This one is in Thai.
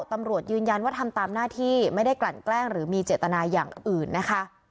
ตำรวจยืนยันว่าทำตามหน้าที่ไม่ได้กลั่นแกล้งหรือมีเจตนาอย่างอื่นนะคะ